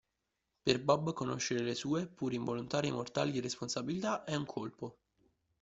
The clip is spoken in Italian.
Per Bob conoscere le sue pur involontarie mortali responsabilità, è un colpo.